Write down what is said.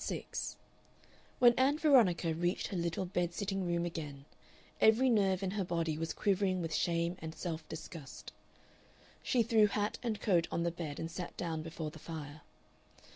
Part 6 When Ann Veronica reached her little bed sitting room again, every nerve in her body was quivering with shame and self disgust. She threw hat and coat on the bed and sat down before the fire.